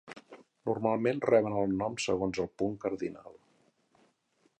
Normalment reben el nom segons el punt cardinal.